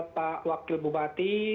pak wakil bupati